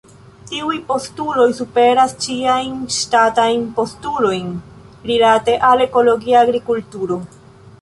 Tiuj postuloj superas ĉiajn ŝtatajn postulojn rilate al ekologia agrikulturo.